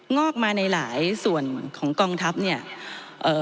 งอกมาในหลายส่วนของกองทัพเนี่ยเอ่อ